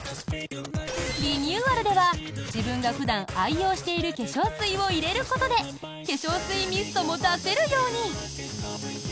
リニューアルでは自分が普段愛用している化粧水を入れることで化粧水ミストも出せるように。